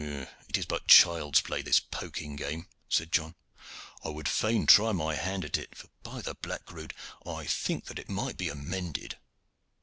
"It is but child's play, this poking game," said John. "I would fain try my hand at it, for, by the black rood! I think that it might be amended."